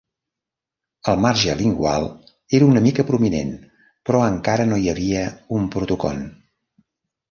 El marge lingual era una mica prominent, però encara no hi havia un protocon.